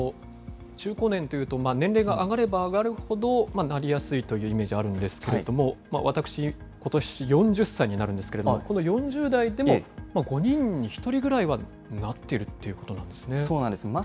中高年というと、年齢が上がれば上がるほどなりやすいというイメージあるんですけれども、私、ことし４０歳になるんですけれども、この４０代でも５人に１人ぐらいはなっているということなんですそうなんです。